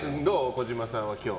児嶋さんは今日。